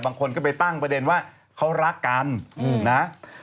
บางคนก็ไปตั้งประเด็นว่าเขารักกันนะ